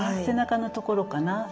背中のところかな。